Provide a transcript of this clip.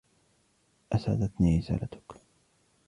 أسعدتني رسالتك.